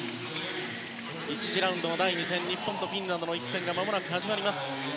１次ラウンドの第２戦日本とフィンランドの一戦がまもなく始まります。